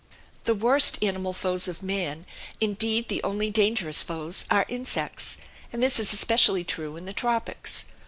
The worst animal foes of man, indeed the only dangerous foes, are insects; and this is especially true in the tropics.